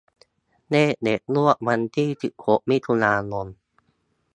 เลขเด็ดงวดวันที่สิบหกมิถุนายน